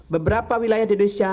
beberapa wilayah di indonesia